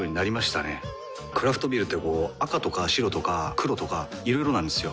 クラフトビールってこう赤とか白とか黒とかいろいろなんですよ。